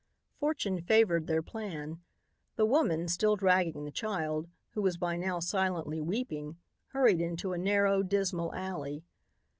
Fortune favored their plan. The woman, still dragging the child, who was by now silently weeping, hurried into a narrow dismal alley.